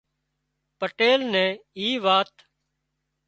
پٽيل نين اي وات